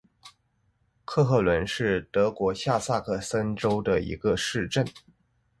克赫伦是德国下萨克森州的一个市镇。